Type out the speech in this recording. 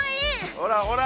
ほらほら！